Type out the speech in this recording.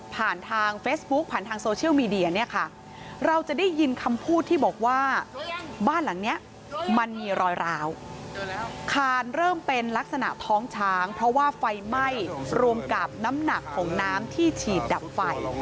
บ้านหลังนี้มันมีรอยราวคานเริ่มเป็นลักษณะท้องช้างเพราะว่าไฟไหม้รวมกับน้ำหนักของน้ำที่ฉีดดับไฟ